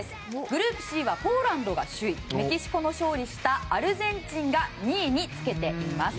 グループＣはポーランドが首位メキシコに勝利したアルゼンチンが２位につけています。